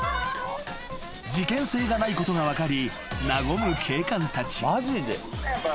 ［事件性がないことが分かり和む警官たち］